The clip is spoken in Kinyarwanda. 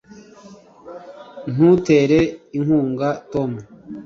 ntutere inkunga tom